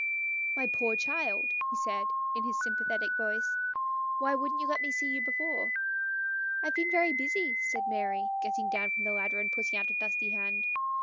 " My poor child," he said, in his sympa thetic voice, " why wouldn't you let me see you before ?" MARTS LOVER. *3 " I've been very busy," said Mary, getting down from the ladder, and putting out a dusty hand.